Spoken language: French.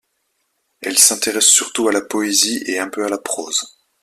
Elle s'intéresse surtout à la poésie et un peu à la prose.